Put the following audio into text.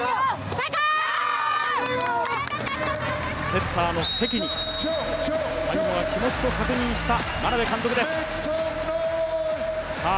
セッターの関に最後は気持ちと確認した眞鍋監督です。